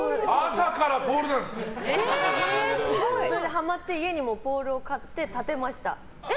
ハマって家にポールを買って立てました。